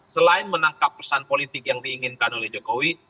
selain menangkap pesan politik yang diinginkan oleh jokowi